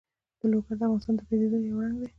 لوگر د افغانستان د طبیعي پدیدو یو رنګ دی.